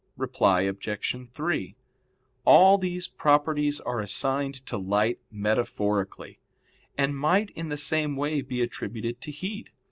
Reply Obj. 3: All these properties are assigned to light metaphorically, and might in the same way be attributed to heat.